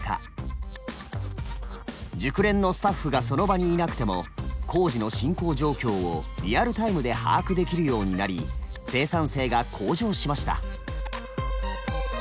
熟練のスタッフがその場にいなくても工事の進行状況をリアルタイムで把握できるようになり生産性が向上しました。